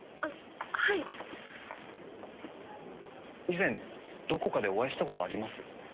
以前どこかでお会いしたことあります？